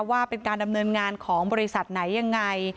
ว่าเป็นการดำเนินงานของบริษัทไหนยังไง